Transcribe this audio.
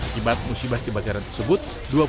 kibat musibah kebakaran tersebut